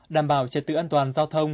đảm bảo trật tự an toàn giao thông